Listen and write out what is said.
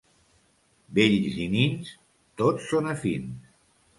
Vells i nins tots són afins.